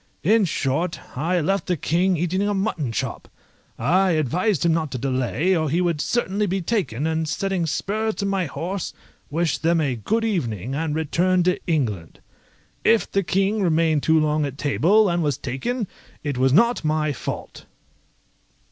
In short, I left the King eating a mutton chop. I advised him not to delay, or he would certainly be taken, and setting spurs to my horse, wished them a good evening, and returned to England. If the King remained too long at table, and was taken, it was not my fault.